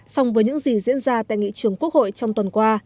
song với những gì diễn ra tại nghị trường quốc hội trong tuần qua